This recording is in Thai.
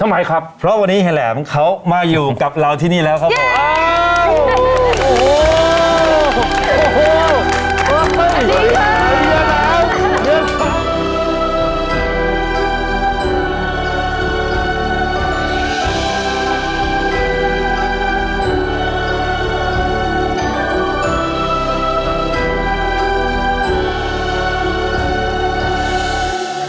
หมายครับเพราะวันนี้เฮแหลมเขามาอยู่กับเราที่นี่แล้วครับผม